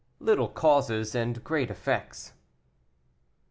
LITTLE CAUSES AND GREAT EFFECTS.